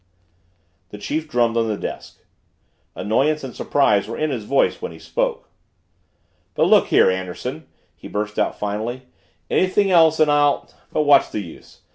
The chief drummed on the desk. Annoyance and surprise were in his voice when he spoke. "But look here, Anderson," he burst out finally. "Anything else and I'll but what's the use?